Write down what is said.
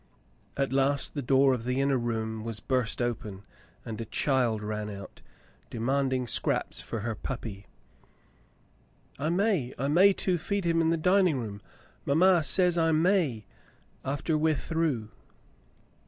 At last the door of the inner room was burst open, and a child ran out, demanding scraps for her puppy. "I may ! I may, too, feed him in the dining room. Mamma says I may, after we're through."